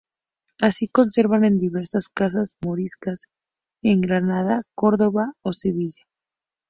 Así se conserva en diversas casas moriscas en Granada, Córdoba o Sevilla.